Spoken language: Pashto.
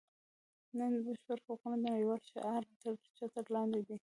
نن د بشري حقونو د نړیوال شعار تر چتر لاندې دي.